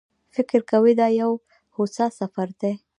فکر کوي دا یو هوسا سفر دی.